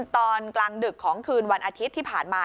ตอนกลางดึกของคืนวันอาทิตย์ที่ผ่านมา